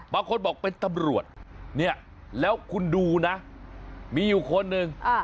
บางคนบอกเป็นตำรวจเนี่ยแล้วคุณดูนะมีอยู่คนหนึ่ง